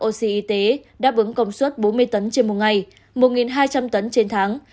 oxy đáp ứng công suất bốn mươi tấn trên một ngày một hai trăm linh tấn trên tháng